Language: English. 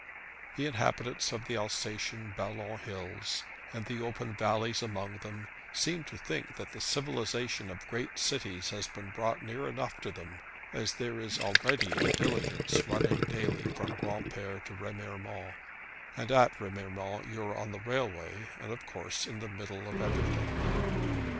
The inhabitants of the Alsatian Ballon hills and the open valleys among them seem to think that the civilisation of great cities has been brought near enough to them, as there is already a diligence running daily from Granpere to Remiremont; and at Remiremont you are on the railway, and, of course, in the middle of everything.